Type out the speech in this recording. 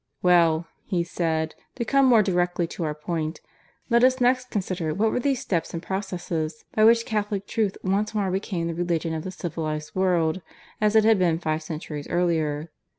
"Well," he said, "to come more directly to our point; let us next consider what were those steps and processes by which Catholic truth once more became the religion of the civilized world, as it had been five centuries earlier.